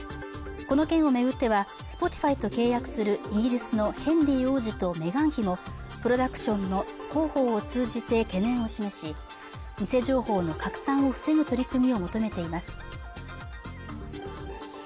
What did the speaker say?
この件をめぐってはスポティファイと契約するイギリスのヘンリー王子とメガン妃もプロダクションの広報を通じて懸念を示し偽情報の拡散を防ぐ取り組みを求めています